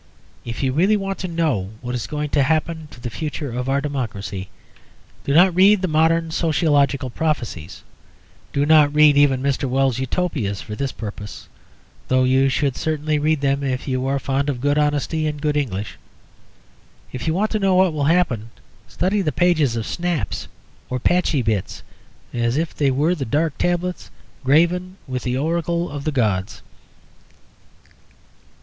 If you really want to know what is going to happen to the future of our democracy, do not read the modern sociological prophecies, do not read even Mr. Wells's Utopias for this purpose, though you should certainly read them if you are fond of good honesty and good English. If you want to know what will happen, study the pages of Snaps or Patchy Bits as if they were the dark tablets graven with the oracles of the gods.